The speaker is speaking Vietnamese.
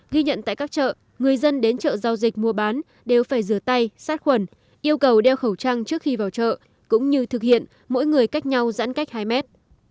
ghi nhận tại các chợ người dân đến chợ giao dịch mua bán đều phải rửa tay sát khuẩn yêu cầu đeo khẩu trang trước khi vào chợ cũng như thực hiện mỗi người cách nhau giãn cách hai mét